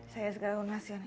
saya sekarang mengeluarkan